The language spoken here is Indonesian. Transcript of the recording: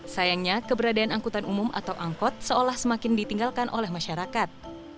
sayangnya keberadaan angkutan umum atau angkot seolah semakin ditinggalkan oleh masyarakat